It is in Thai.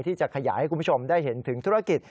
ที่จะขยายให้คุณผู้ชมได้เห็นถึงธุรกิจ